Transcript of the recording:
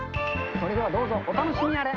それではどうぞお楽しみあれ。